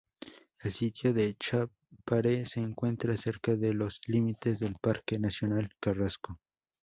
El sitio de Chapare se encuentra cerca de los límites del parque Nacional Carrasco.